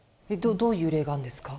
どういう例があるんですか？